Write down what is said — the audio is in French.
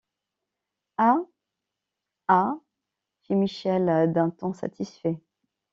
Ah! ah ! fit Michel d’un ton satisfait.